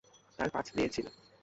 তার পাঁচ মেয়ে ছিল।